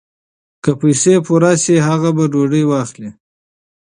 که پیسې پوره شي هغه به ډوډۍ واخلي.